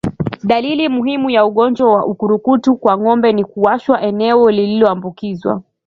Dalili muhimu ya ugonjwa wa ukurutu kwa ngombe ni kuwashwa eneo lililoambukizwa